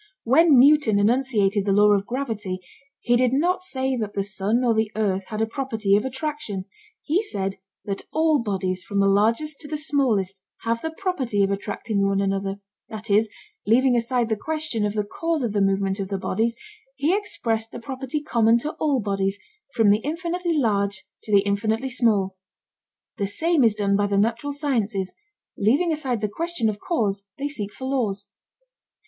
When Newton enunciated the law of gravity he did not say that the sun or the earth had a property of attraction; he said that all bodies from the largest to the smallest have the property of attracting one another, that is, leaving aside the question of the cause of the movement of the bodies, he expressed the property common to all bodies from the infinitely large to the infinitely small. The same is done by the natural sciences: leaving aside the question of cause, they seek for laws.